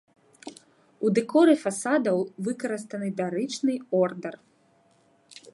У дэкоры фасадаў выкарыстаны дарычны ордар.